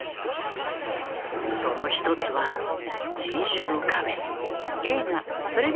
その１つは人種の壁。